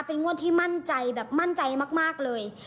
เป็นงวดที่มั่นใจแบบมั่นใจมากเลย